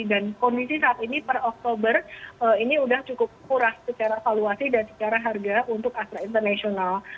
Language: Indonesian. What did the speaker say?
dan kondisi saat ini per oktober ini sudah cukup kuras secara valuasi dan secara harga untuk astra international